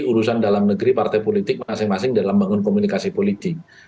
urusan dalam negeri partai politik masing masing dalam membangun komunikasi politik